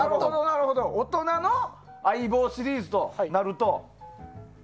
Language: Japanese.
大人の相棒シリーズとなると。